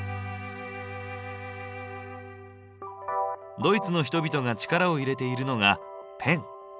ドイツの人々が力を入れているのがペン。